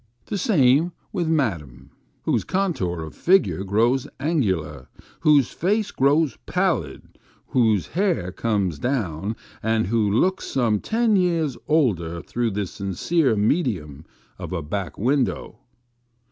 The same with Madame, whose contour of figure grows angular, whose face grows pallid, whose hair comes down, and who looks some ten years older through the sincere medium of a back window.